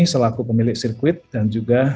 selaku pemilik sirkuit dan juga